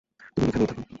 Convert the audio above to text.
তুমি এখানেই থাকবা।